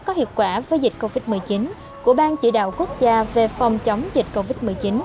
có hiệu quả với dịch covid một mươi chín của bang chỉ đạo quốc gia về phòng chống dịch covid một mươi chín